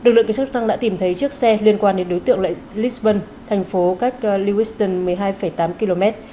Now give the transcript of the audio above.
được lượng kỹ sức năng đã tìm thấy chiếc xe liên quan đến đối tượng lại lisbon thành phố cách lewiston một mươi hai tám km